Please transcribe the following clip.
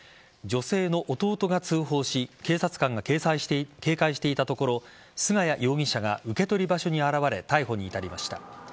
女性の弟が通報し警察官が警戒していたところ菅谷容疑者が受け取り場所に現れ逮捕に至りました。